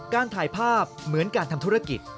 การถ่ายภาพเหมือนการทำธุรกิจ